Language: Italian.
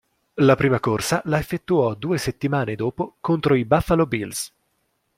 La prima corsa la effettuò due settimane dopo contro i Buffalo Bills.